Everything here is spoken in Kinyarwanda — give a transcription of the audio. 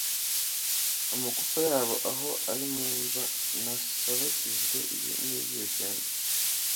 Amagufa yabo aho ari mu mva nasabagizwe n’ibyishimo,